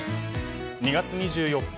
２月２４日